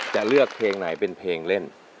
จะเลือกเพลงไหนเป็นเพลงเล่น